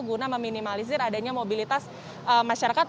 guna meminimalisir adanya mobilitas masyarakat